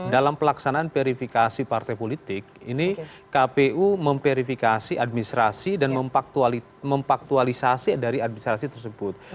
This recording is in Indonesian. dalam pelaksanaan verifikasi partai politik ini kpu memverifikasi administrasi dan memfaktualisasi dari administrasi tersebut